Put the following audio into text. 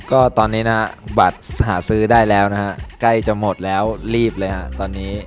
ก็ตอนนี้นะฮะบัตรหาซื้อได้แล้วนะฮะใกล้จะหมดแล้วรีบเลยฮะตอนนี้